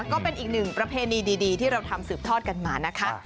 ก็เป็นอีกหนึ่งประเพณีดีที่เราทำสืบทอดกันมานะคะ